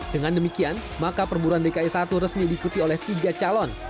dengan demikian maka perburuan dki satu resmi diikuti oleh tiga calon